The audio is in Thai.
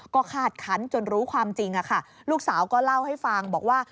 ก็คาดคันจนรู้ความจริงค่ะลูกสาวก็เล่าให้ฟังบอกว่า